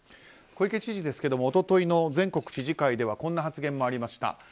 小池知事ですが一昨日の全国知事会ではこんな発言もありました。